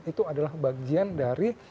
itu adalah bagian dari